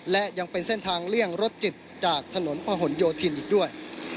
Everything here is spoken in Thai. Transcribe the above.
และยังเป็นเส้นทางเลี่ยงรถจิตจากถนนพะหนโยธินอีกด้วย